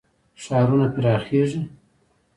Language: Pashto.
ښارونه پراخیږي.